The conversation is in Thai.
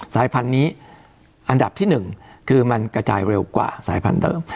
สายพันธุ์นี้อันดับที่๑คือมันกระจายเร็วกว่าสายพันธุ์เดิม